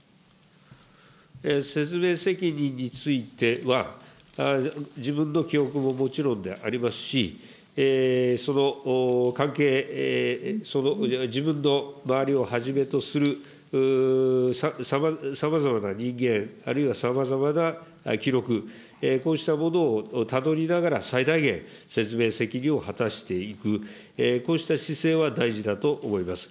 説明責任については、自分の記憶ももちろんでありますし、その関係、自分の周りをはじめとする、さまざまな人間、あるいはさまざまな記録、こうしたものをたどりながら、最大限、説明責任を果たしていく、こうした姿勢は大事だと思います。